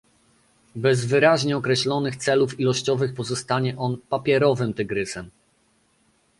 bez wyraźnie określonych celów ilościowych pozostanie on "papierowym tygrysem"